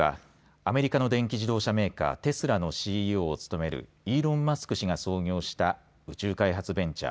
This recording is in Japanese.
アメリカの電気自動車メーカーテスラのＣＥＯを務めるイーロン・マスク氏が創業した宇宙開発ベンチャー